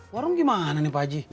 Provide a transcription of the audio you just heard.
warung gimana pak haji